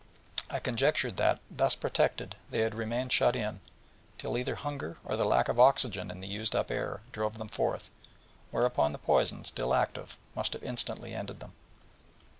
I conjectured that, thus protected, they had remained shut in, till either hunger, or the lack of oxygen in the used up air, drove them forth, whereupon the poison, still active, must have instantly ended them.